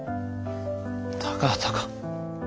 高畑か。